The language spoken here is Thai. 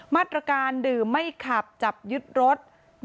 มาตรการดื่มไม่ขับจับยึดรถ